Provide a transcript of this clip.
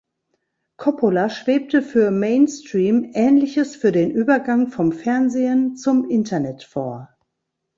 Coppola schwebte für "Mainstream" ähnliches für den Übergang vom Fernsehen zum Internet vor.